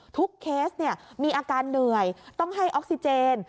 เคสมีอาการเหนื่อยต้องให้ออกซิเจน